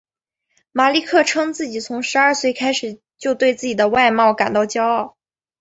马利克称自己从十二岁开始就对自己的外貌感到骄傲。